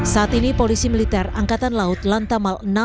saat ini polisi militer angkatan laut lantamal enam